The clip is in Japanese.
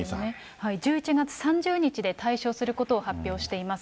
１１月３０日で退所することを発表しています。